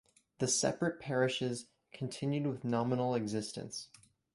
The separate parishes continued with nominal existence.